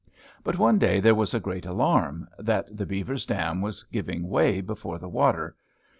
But one day there was a great alarm, that the beavers' dam was giving way before the water.